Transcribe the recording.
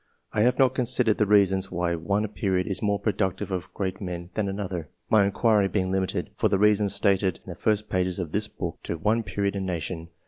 I have not considered the reasons why one period is more productive of great men than another, my inquiry being limited, for the reasons stated in the first pages of this book, to one period and nation.